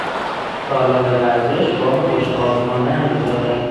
تالار ورزش بام بشقاب مانند دارد.